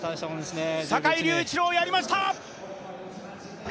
坂井隆一郎、やりました！